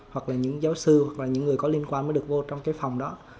hoặc là những giáo sư hoặc là những người có liên quan mới được vô trong cái phòng đó